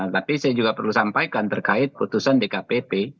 tapi saya juga perlu sampaikan terkait putusan dkpp